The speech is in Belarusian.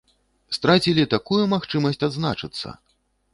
Страцілі такую магчымасць адзначыцца!